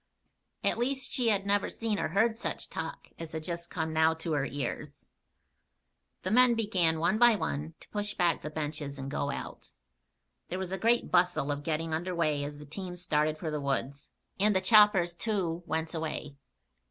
At least, she had never seen or heard such talk as had just now come to her ears. The men began, one by one, to push back the benches and go out. There was a great bustle of getting under way as the teams started for the woods, and the choppers, too, went away.